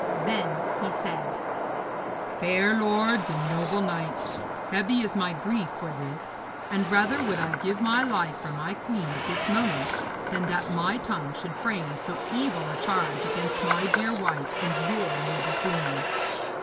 Then he said: 'Fair lords and noble knights, heavy is my grief for this, and rather would I give my life for my queen at this moment than that my tongue should frame so evil a charge against my dear wife and your noble queen.